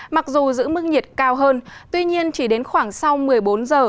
mặc dù giữ mức nhiệt cao hơn tuy nhiên chỉ đến khoảng sau một mươi bốn giờ